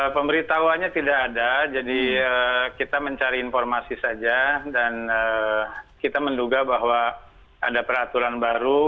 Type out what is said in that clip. pemberitahuannya tidak ada jadi kita mencari informasi saja dan kita menduga bahwa ada peraturan baru